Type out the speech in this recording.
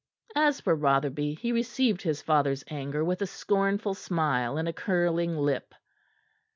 As for Rotherby, he received his father's anger with a scornful smile and a curling lip.